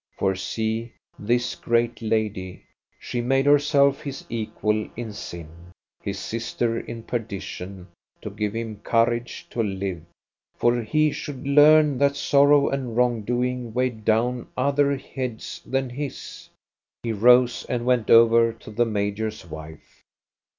For see, this great lady, she made herself his equal in sin, his sister in perdi tion, to give him courage to live. For he should learn that sorrow and wrong doing weighed down other heads tha^^ his. He rose and went over to the major's wife.